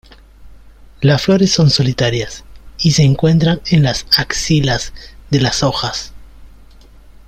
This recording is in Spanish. Las flores son solitarias y se encuentran en las axilas de las hojas.